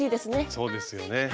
そうですよね。